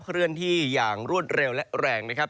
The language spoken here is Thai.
เคลื่อนที่อย่างรวดเร็วและแรงนะครับ